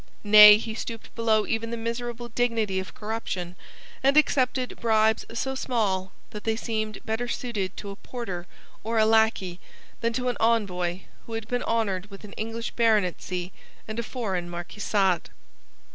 Nay, he stooped below even the miserable dignity of corruption, and accepted bribes so small that they seemed better suited to a porter or a lacquey than to an Envoy who had been honoured with an English baronetcy and a foreign marquisate.